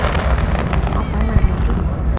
我想問你啲嘢